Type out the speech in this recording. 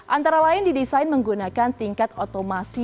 antara lain didesain menggunakan tingkat otomasi